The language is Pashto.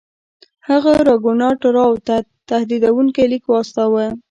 هغه راګونات راو ته تهدیدونکی لیک واستاوه.